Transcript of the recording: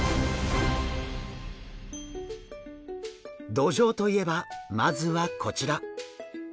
ドジョウといえばまずはこちら。